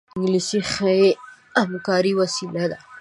انګلیسي د ښې همکارۍ وسیله ده